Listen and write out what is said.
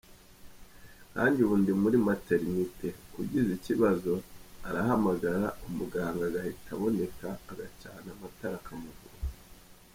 Nkanjye ubu ndi muri maternité, ugize ikibazo arahamagara umuganga agahita aboneka, agacana amatara akamuvura.